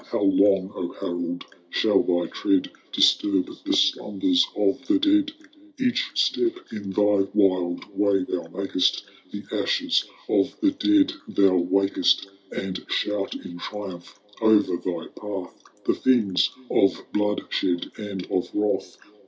How long, O Harold, shall thy tread Disturb the slumbers of the dead ? Each step in thy wild way thou makest, The ashes of the dead thou wsikest ; And shout in triumph o'er thy path The fiends of bloodshed and of wrath.